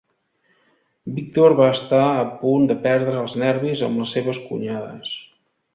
Víctor va estar a punt de perdre els nervis amb les seves cunyades.